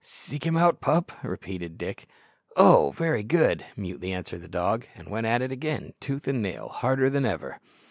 "Seek him out, pup!" repeated Dick. "Oh! very good," mutely answered the dog, and went at it again, tooth and nail, harder than ever.